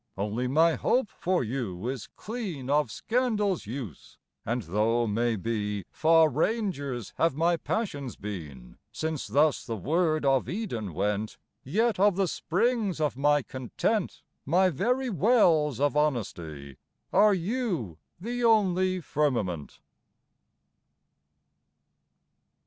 Only my hope for you is clean Of scandal's use, and though, may be, Far rangers have my passions been,— Since thus the word of Eden went,— Yet of the springs of my content, My very wells of honesty, Are you the only firmament.